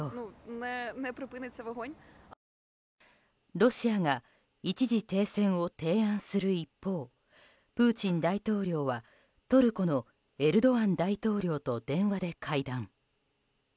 ロシアが一時停戦を提案する一方プーチン大統領はトルコのエルドアン大統領と電話で会談。